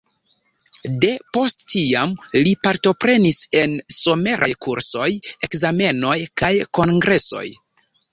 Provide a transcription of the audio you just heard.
De post tiam li partoprenis en someraj kursoj, ekzamenoj kaj kongresoj.